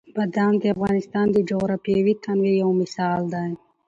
بادام د افغانستان د جغرافیوي تنوع یو مثال دی.